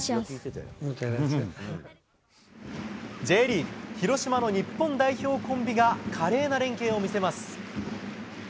Ｊリーグ・広島の日本代表コンビが、華麗な連係を見せます。